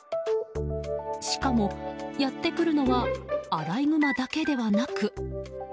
しかも、やってくるのはアライグマだけではなく。